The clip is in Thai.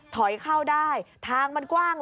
ถอยเข้าได้ทางมันกว้าง